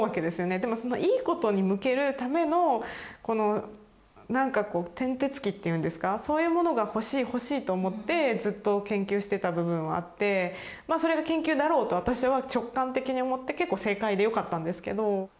でもそのいいことに向けるためのなんかこう転轍機っていうんですかそういうものが欲しい欲しいと思ってずっと研究してた部分はあってそれが研究だろうと私は直感的に思って結構正解でよかったんですけど。